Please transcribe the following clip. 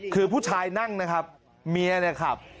คือผู้ชายนั่งนะครับเมียเนี่ยขับ